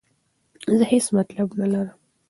زه هیڅ مطلب نه لرم.